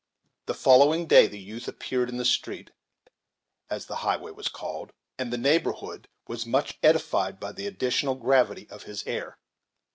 The following day the youth appeared in the street, as the highway was called, and the neighborhood was much edified by the additional gravity of his air.